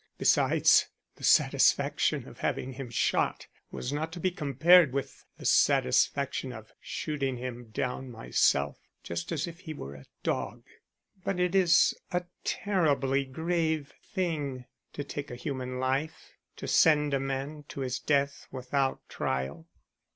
Besides, the satisfaction of having him shot was not to be compared with the satisfaction of shooting him down myself just as if he were a dog." "But it is a terribly grave thing to take human life to send a man to his death without trial."